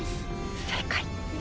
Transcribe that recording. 正解！